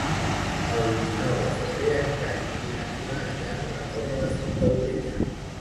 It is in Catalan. El vint-i-nou de febrer en Cai i na Tura aniran a la Torre de Fontaubella.